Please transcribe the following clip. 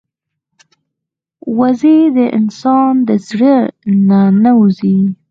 وزې د انسان د زړه نه نه وځي